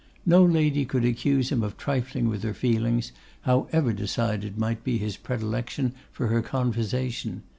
No lady could accuse him of trifling with her feelings, however decided might be his predilection for her conversation.